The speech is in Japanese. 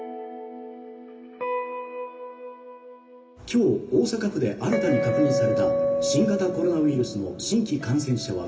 「今日大阪府で新たに確認された新型コロナウイルスの新規感染者は」。